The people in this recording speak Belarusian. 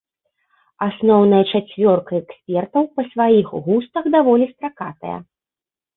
Асноўная чацвёрка экспертаў па сваіх густах даволі стракатая.